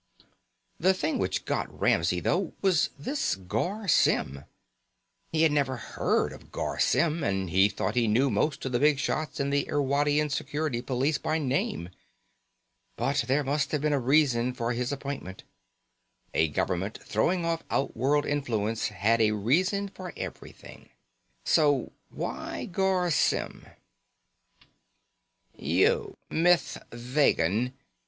The thing which got Ramsey, though, was this Garr Symm. He had never heard of Garr Symm, and he thought he knew most of the big shots in the Irwadian Security Police by name. But there must have been a reason for his appointment. A government throwing off outworld influence had a reason for everything. So, why Garr Symm? "You, Mith Vegan!"